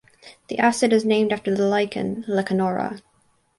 The acid is named after the lichen "Lecanora".